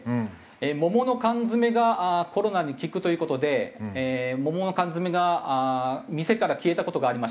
桃の缶詰がコロナに効くという事で桃の缶詰が店から消えた事がありました。